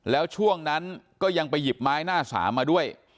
แล้วช่วงนั้นก็ยังไปหยิบไม้หน้าสามมาด้วย